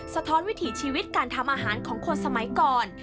สะท้อนวิถีชีวิตการทำอาหารของคนสมัยก่อน